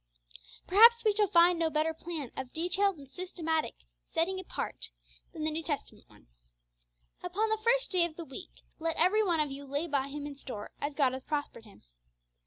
Perhaps we shall find no better plan of detailed and systematic setting apart than the New Testament one: 'Upon the first day of the week let every one of you lay by him in store, as God hath prospered him.'